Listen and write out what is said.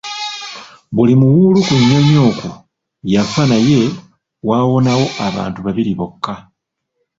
Buli muwuulu ku nnyonyi okwo yafa naye waawonawo abantu babiri bokka.